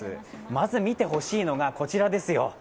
まず見てほしいのが、こちらですよ